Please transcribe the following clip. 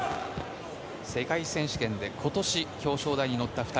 世界選手権で今年、表彰台に乗った２人。